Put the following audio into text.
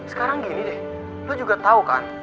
sekarang gini deh lo juga tau kan